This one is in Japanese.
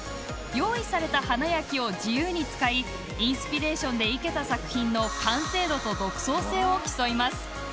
用意された花や木を自由に使いインスピレーションで生けた作品の完成度と独創性を競います。